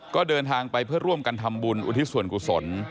ก็เดินทางไปเพื่อร่วมกันทำบุญอุทิศส่วนกุศล